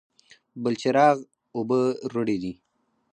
بلچراغ اوبه رڼې دي؟